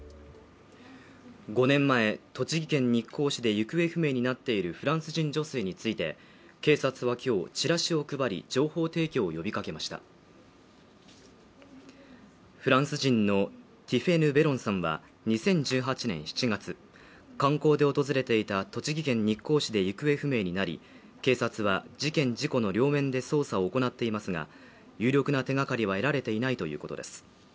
５年前栃木県日光市で行方不明になっているフランス人女性について警察は今日チラシを配り情報提供を呼びかけましたフランス人のティフェヌ・ベロンさんは２０１８年７月観光で訪れていた栃木県日光市で行方不明になり警察は事件事故の両面で捜査を行っていますが有力な手がかりは得られていないということです